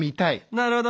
なるほど。